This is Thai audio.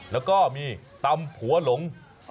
แล้วก็มีตำผัวหลง